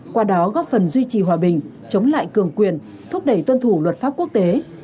qua đó góp phần duy trì hòa bình chống lại cường quyền thúc đẩy tuân thủ luật pháp quốc tế